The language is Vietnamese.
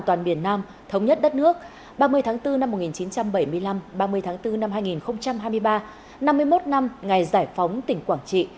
toàn biển nam thống nhất đất nước ba mươi tháng bốn năm một nghìn chín trăm bảy mươi năm ba mươi tháng bốn năm hai nghìn hai mươi ba năm mươi một năm ngày giải phóng tỉnh quảng trị